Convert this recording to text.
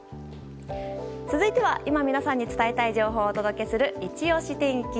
続いては今、皆さんに伝えたい情報をお届けするいちオシ天気。